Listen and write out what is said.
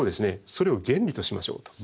それを原理としましょうと。